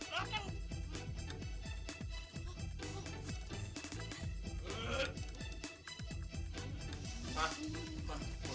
hai pem pix